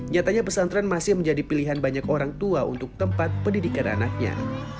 nyatanya pesantren masih menjadi pilihan banyak orang tua untuk tempat pendidikan anaknya